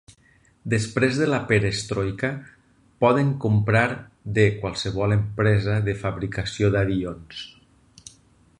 Després de la Perestroika, poden comprar de qualsevol empresa de fabricació d'avions.